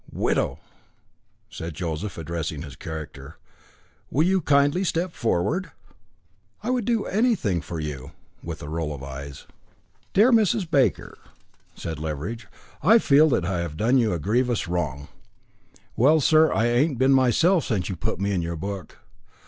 "Widow!" said Joseph, addressing his character, "will you kindly step forward?" "I would do anything for you," with a roll of the eyes. "Dear Mrs. Baker," said Leveridge, "I feel that I have done you a grievous wrong." "Well, sir, I ain't been myself since you put me into your book."